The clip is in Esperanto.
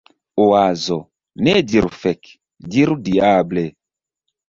Oazo: "Ne diru "Fek!". Diru "Diable!""